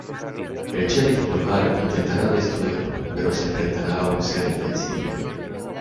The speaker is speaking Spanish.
El sheriff local intentará destruirlo, pero se enfrenta a un ser invencible.